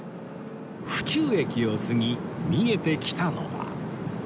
府中駅を過ぎ見えてきたのは